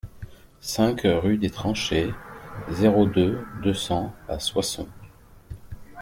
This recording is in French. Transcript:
cinq rue des Tranchées, zéro deux, deux cents à Soissons